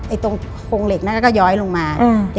ตรงโครงเหล็กนั้นก็ย้อยลงมา